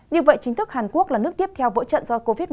như vậy chính thức hàn quốc là nước tiếp theo vỡ trận do covid một mươi chín